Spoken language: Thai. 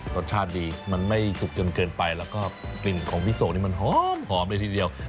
รสชาติดีมันไม่สุกจนเกินไปแล้วก็กลิ่นของพี่โศกนี่มันหอมเลยทีเดียว